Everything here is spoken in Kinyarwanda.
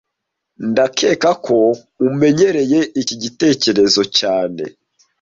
Ndakeka ko umenyereye iki gitekerezo cyane